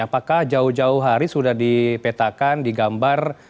apakah jauh jauh hari sudah dipetakan digambar